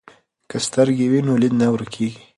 که سترګې وي نو لید نه ورکیږي.